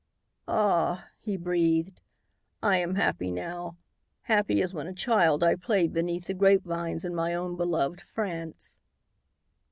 "Ah!" he breathed, "I am happy now, happy as when a child I played beneath the grapevines in my own beloved France."